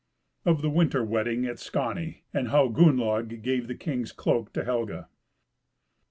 Of the Winter Wedding at Skaney, and how Gunnlaug gave the Kings Cloak to Helga.